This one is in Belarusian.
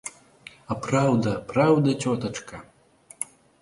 А праўда, праўда, цётачка!